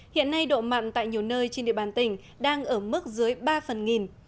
hiện nay độ mặn tại nhiều nơi trên địa bàn tỉnh đang ở mức dưới ba phần nghìn